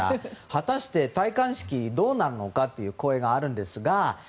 果たして、戴冠式どうなるのかという声があるんですが。